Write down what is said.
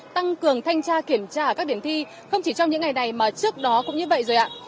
tăng cường thanh tra kiểm tra ở các điểm thi không chỉ trong những ngày này mà trước đó cũng như vậy rồi ạ